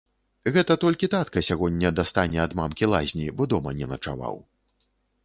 Гэта толькі татка сягоння дастане ад мамкі лазні, бо дома не начаваў.